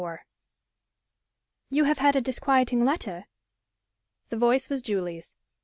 XXIV "You have had a disquieting letter?" The voice was Julie's.